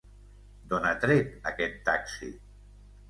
D'on ha tret aquest taxi?